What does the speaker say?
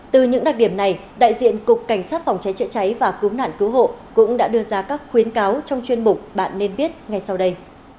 từ những đặc điểm này đại diện cục cảnh sát phòng cháy chữa cháy và cứu nạn cứu hộ cũng đã đưa ra các khuyến cáo trong chuyên mục bạn nên biết ngay sau đây